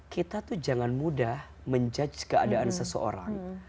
kita tuh jangan mudah menjudge keadaan seseorang